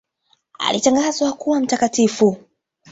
Alitangazwa kuwa mtakatifu.